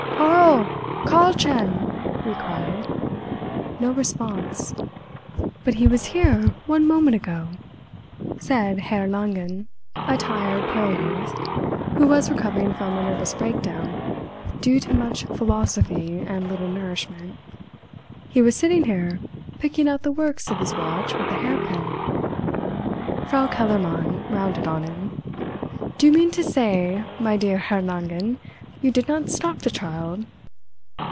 "Ka—rl, Karl—chen!" we cried. No response. "But he was here one moment ago," said Herr Langen, a tired, pale youth, who was recovering from a nervous breakdown due to much philosophy and little nourishment. "He was sitting here, picking out the works of his watch with a hairpin!" Frau Kellermann rounded on him. "Do you mean to say, my dear Herr Langen, you did not stop the child!"